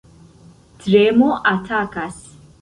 Tremo atakas.